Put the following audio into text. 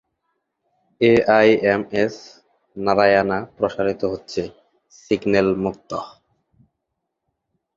এআইএমএস-নারায়ানা প্রসারিত হচ্ছে সিগন্যাল-মুক্ত।